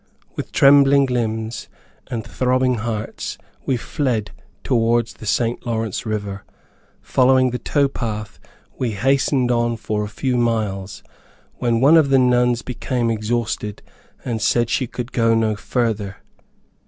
With trembling limbs, and throbbing hearts we fled towards the St. Lawrence river. Following the tow path, we hastened on for a few miles, when one of the nuns became exhausted, and said she could go no further.